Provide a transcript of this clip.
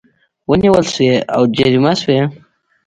ونیول شوې او جریمه شوې